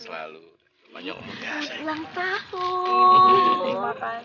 selamat ulang tahun